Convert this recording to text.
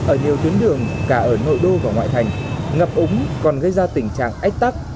ở nhiều tuyến đường cả ở nội đô và ngoại thành ngập úng còn gây ra tình trạng ách tắc